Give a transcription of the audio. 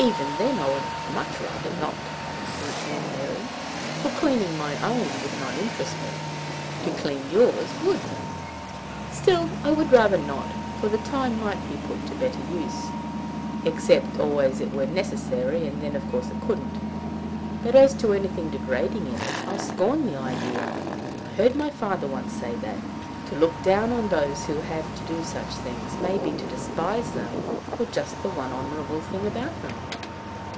Even then I would much rather not," returned Mary, "for cleaning my own would not interest me. To clean yours would. Still I would rather not, for the time might be put to better use except always it were necessary, and then, of course, it couldn't. But as to anything degrading in it, I scorn the idea. I heard my father once say that, to look down on those who have to do such things may be to despise them for just the one honorable thing about them.